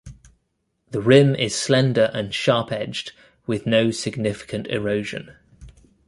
The rim is slender and sharp-edged, with no significant erosion.